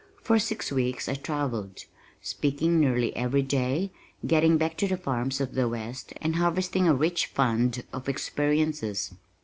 For six weeks I travelled, speaking nearly every day getting back to the farms of the west and harvesting a rich fund of experiences.